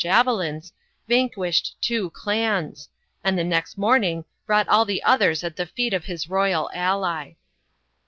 27 javelins, yanquished two clans, and the next morning brought all the others at the feet of his royal ally.